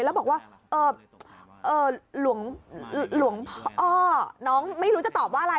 แล้วบอกว่าหลวงพ่ออ้อน้องไม่รู้จะตอบว่าอะไร